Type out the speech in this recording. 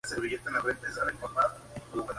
Ambos nombres ahora se enumeran como "nomina dubia".